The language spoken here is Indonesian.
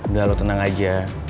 udah lo tenang aja